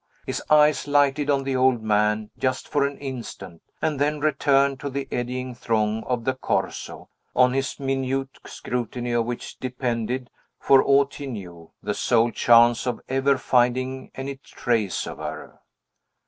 His eyes lighted on the old man, just for an instant, and then returned to the eddying throng of the Corso, on his minute scrutiny of which depended, for aught he knew, the sole chance of ever finding any trace of her.